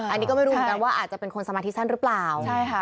อันนี้ก็ไม่รู้เหมือนกันว่าอาจจะเป็นคนสมาธิสั้นหรือเปล่าใช่ค่ะ